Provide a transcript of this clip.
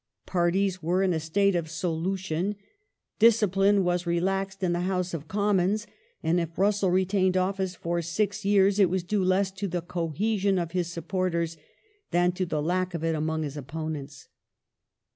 Parties were in a state of solution ; discipline was relaxed in the House of Commons, and if Russell retained office for six years it was due less to the cohesion of his supporters than to the lack of it among his opponents.